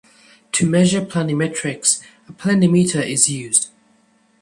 To measure planimetrics a planimeter is used.